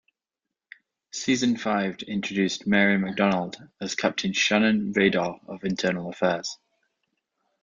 Season five introduced Mary McDonnell as Captain Sharon Raydor of Internal Affairs.